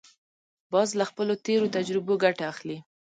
باز له خپلو تېرو تجربو ګټه اخلي